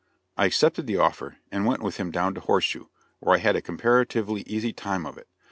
I accepted the offer, and went with him down to Horseshoe, where I had a comparatively easy time of it.